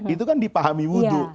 itu kan dipahami wudhu